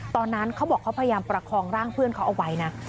ตอนนั้นเขาบอกเขาพยายามประคองร่างเพื่อนเขาเอาไว้นะ